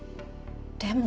でも。